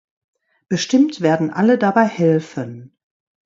Bestimmt werden alle dabei helfen.